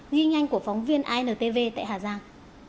ghi nhanh của phóng viên intv tại hà giang